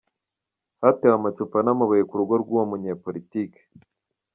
Hatewe amacupa n'amabuye ku rugo rw'uwo munyepolitike.